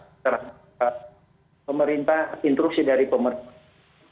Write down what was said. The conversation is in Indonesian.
terhadap pemerintah instruksi dari pemerintah